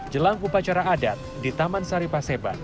jelang upacara adat di taman sari paseban